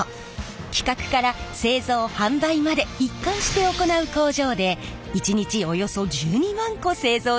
企画から製造販売まで一貫して行う工場で１日およそ１２万個製造しています。